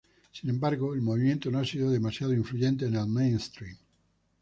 Sin embargo, el movimiento no ha sido demasiado influyente en el "mainstream".